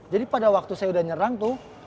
jadi pada waktu saya udah nyerang tuh